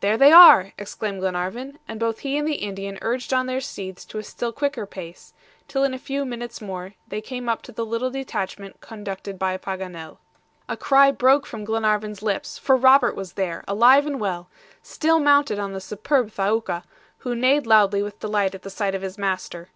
"There they are!" exclaimed Glenarvan; and both he and the Indian urged on their steeds to a still quicker pace, till in a few minutes more they came up to the little detachment conducted by Paganel. A cry broke from Glenarvan's lips, for Robert was there, alive and well, still mounted on the superb Thaouka, who neighed loudly with delight at the sight of his master.